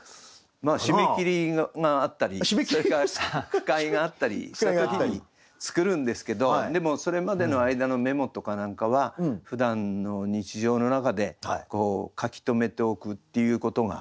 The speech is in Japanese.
まあ締め切りがあったりそれから句会があったりした時に作るんですけどでもそれまでの間のメモとか何かはふだんの日常の中で書き留めておくっていうことがやっぱりありますよね。